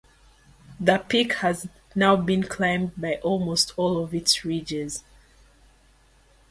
The peak has now been climbed by almost all of its ridges.